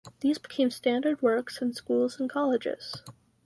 These became standard works in schools and colleges.